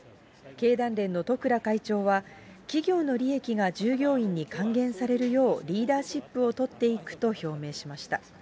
経団連の十倉会長は、企業の利益が従業員に還元されるようリーダーシップを取っていくと表明しました。